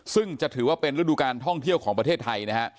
ซึ่งจะถือว่าเป็นฤดูการท่องเที่ยวของประเทศไทยนะฮะ